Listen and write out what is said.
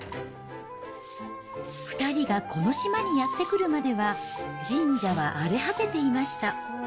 ２人がこの島にやって来るまでは、神社は荒れ果てていました。